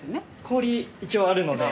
氷一応あるので。